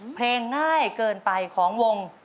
เพลงง่ายเกินไปของวง